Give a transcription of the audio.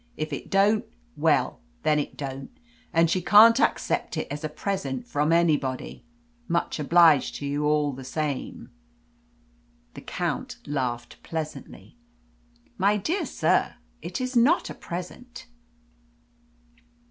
If it don't; well, then it don't, and she can't accept it as a present from anybody. Much obliged to you all the same." The Count laughed pleasantly. "My dear sir, it is not a present."